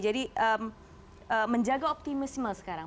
jadi menjaga optimal sekarang